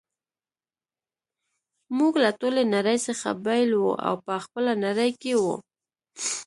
موږ له ټولې نړۍ څخه بیل وو او په خپله نړۍ کي وو.